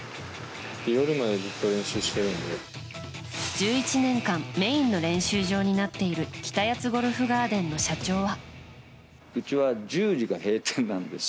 １１年間メインの練習場になっている北谷津ゴルフガーデンの社長は。